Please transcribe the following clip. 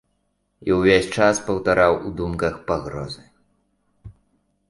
І ўвесь час паўтараў у думках пагрозы.